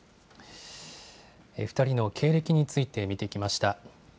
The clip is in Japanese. ２人の経歴について見てきました。